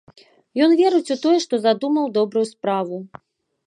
Ён верыць у тое, што задумаў добрую справу.